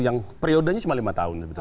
yang periodenya cuma lima tahun